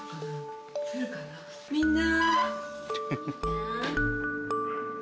みんな。